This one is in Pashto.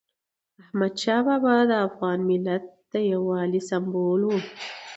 احمدشاه بابا د افغان ملت د یووالي سمبول و.